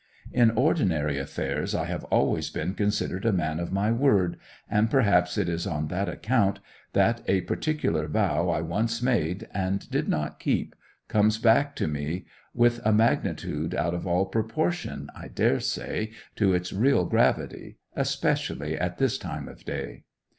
In ordinary affairs I have always been considered a man of my word and perhaps it is on that account that a particular vow I once made, and did not keep, comes back to me with a magnitude out of all proportion (I daresay) to its real gravity, especially at this time of day.